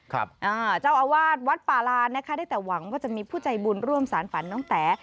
เจ้าอาวาสวัดป่าลานนะคะได้แต่หวังว่าจะมีผู้ใจบุญร่วมสารฝันน้องแต๋